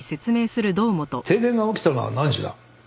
停電が起きたのは何時だ？